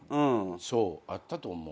そうあったと思う。